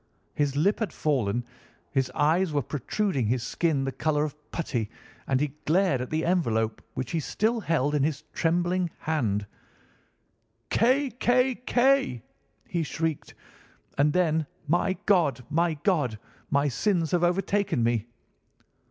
His lip had fallen, his eyes were protruding, his skin the colour of putty, and he glared at the envelope which he still held in his trembling hand, 'K. K. K.!' he shrieked, and then, 'My God, my God, my sins have overtaken me!